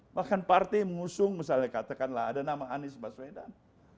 bahkan parti mengusung misalnya katakanlah ada nama anies maswedan